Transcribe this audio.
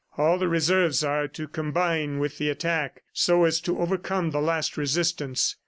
All the Reserves are to combine with the attack so as to overcome the last resistance.